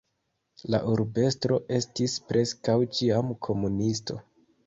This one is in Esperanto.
La urbestro estis preskaŭ ĉiam komunisto.